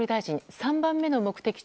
３番目の目的地